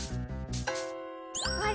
あれ？